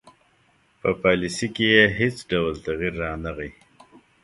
په پالیسي کې یې هیڅ ډول تغیر رانه غی.